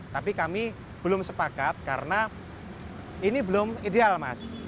tapi kami belum sepakat karena ini belum ideal mas